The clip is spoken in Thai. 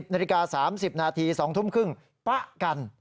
นาฬิกา๓๐นาที๒ทุ่มครึ่งป๊ะกัน